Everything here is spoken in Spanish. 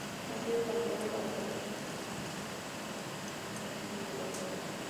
Ha sido candidato a la presidencia de la República del Ecuador en dos ocasiones.